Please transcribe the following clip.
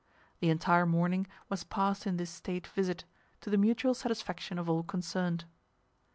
The entire morning was passed in this state visit, to the mutual satisfaction of all concerned.